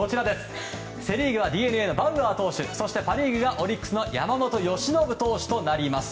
セ・リーグはＤｅＮＡのバウアー投手そしてパ・リーグはオリックスの山本由伸投手となります。